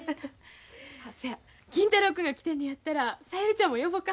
そうや金太郎君が来てんのやったら小百合ちゃんも呼ぼうか。